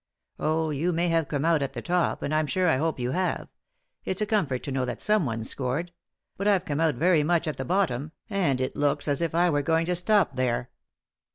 Oh, you may have come out at the top, and I'm sure I hope you have; it's a comfort to know that someone's scored ; ibut I've come out very much at the bottom, and it looks as if I were going to stop there."